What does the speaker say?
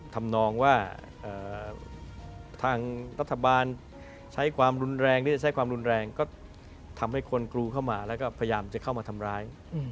ทำนองว่าทางรัฐบาลใช้ความรุนแรงหรือจะใช้ความรุนแรงก็ทำให้คนกรูเข้ามาแล้วก็พยายามจะเข้ามาทำร้าย